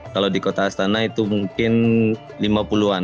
kalau di kota astana itu mungkin lima puluh an